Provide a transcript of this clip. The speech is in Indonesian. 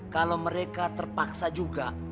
kalau mereka terpaksa juga